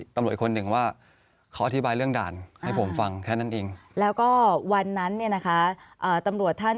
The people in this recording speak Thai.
ตำรวจคนหนึ่งว่าเขาอธิบายเรื่องด่านให้ผมฟังแค่นั้นเองแล้วก็วันนั้นเนี่ยนะคะตำรวจท่าน